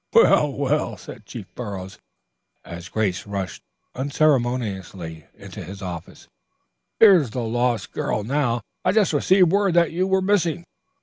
"Well, well!" said Chief Burroughs, as Grace rushed unceremoniously into his office. "Here's the lost girl now. I just received word that you were missing.